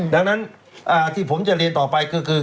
ดังนั้นที่ผมจะเรียนต่อไปก็คือ